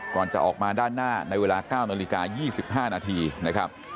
ก่อนจะออกมาด้านหน้าในเวลา๙นาฬิกา๒๕นาทีนะครับ